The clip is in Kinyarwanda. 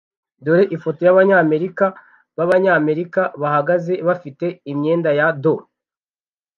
Dore ifoto y'Abanyamerika b'Abanyamerika bahagaze bafite imyenda ya doo